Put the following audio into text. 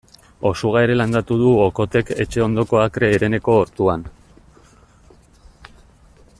Osuga ere landatu du Okothek etxe ondoko akre hereneko ortuan.